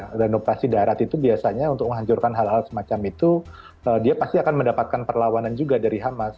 karena operasi darat itu biasanya untuk menghancurkan hal hal semacam itu dia pasti akan mendapatkan perlawanan juga dari hamas